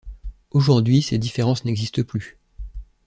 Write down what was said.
Aujourd'hui ces différences n'existent plus.